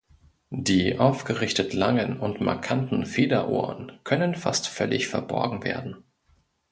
Die aufgerichtet langen und markanten Federohren können fast völlig verborgen werden.